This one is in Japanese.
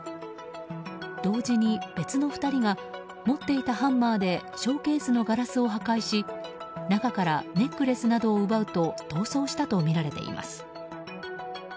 同時に別の２人が持っていたハンマーでショーケースのガラスを破壊し中からネックレスなどを奪うと逃走したとみられています。